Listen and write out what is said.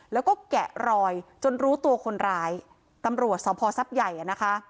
แล้วก็แกะรอยจนรู้ตัวคนร้ายตำรวจสพท์ใหญ่อ่ะนะคะ